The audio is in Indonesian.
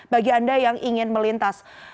bagi anda yang ingin melintas